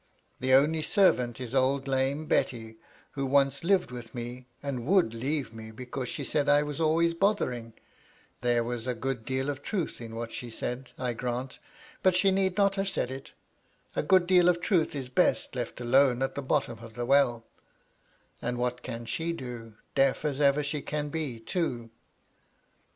The only servant is old lame Betty, who once lived with me, and would leave me because she said I was always bothering — (there was a good deal of truth in what she said, I grant, but she need not have said it ; a good deal of truth is best let alone at the bottom of the well), and what can she do, — deaf as ever she can be, too